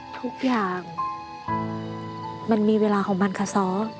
ทุกอย่างมันมีเวลาของมันค่ะซ้อ